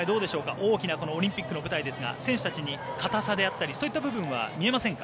大きなオリンピックの舞台ですが選手たちに固さであったりそういう部分は見えませんか？